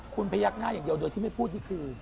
คุณพยักหน้าอย่างเดียวโดยที่ไม่พูดนี่คือ